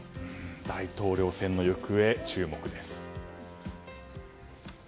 大統領選の行方、注目です。